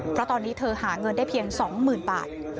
เพราะตอนนี้เธอหาเงินได้เพียง๒๐๐๐บาท